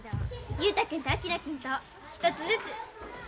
雄太君と昭君と１つずつ。